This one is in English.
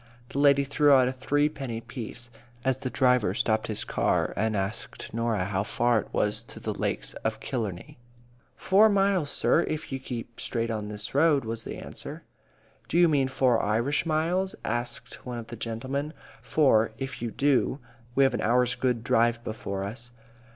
The lady threw out a three penny piece, as the driver stopped his car and asked Norah how far it was to the lakes of Killarney. "Four miles, sir, if ye keep straight on this road," was the answer. "Do you mean four Irish miles?" asked one of the gentlemen. "For, if you do, we have an hour's good drive before us."